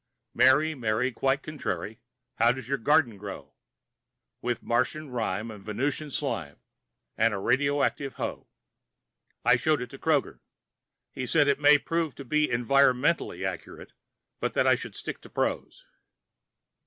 Mary, Mary, quite contrary, How does your garden grow? With Martian rime, Venusian slime, And a radioactive hoe. I showed it to Kroger. He says it may prove to be environmentally accurate, but that I should stick to prose.